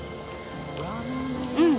うん。